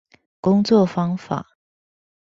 工作方法